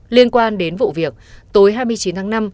liên quan đến vụ việc tối hai mươi chín tháng năm